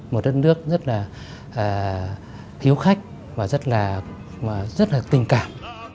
một đất nước rất là thiếu khách và rất là tình cảm